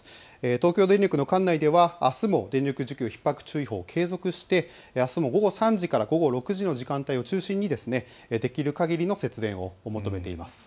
東京電力の管内ではあすも電力需給ひっ迫注意報を継続してあすも午後３時から６時の時間帯を中心にできるかぎりの節電を求めています。